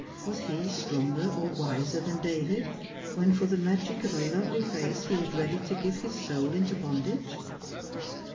Was he stronger or wiser than David, when for the magic of a lovely face he was ready to give his sovl into bondage